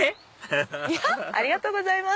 フフフありがとうございます。